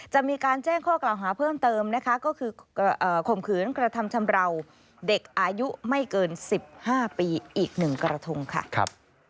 จะมีการแจ้งข้อกล่าวหาเพิ่มเติมนะคะก็คือข่มขืนกระทำชำราวเด็กอายุไม่เกิน๑๕ปีอีก๑กระทงค่ะ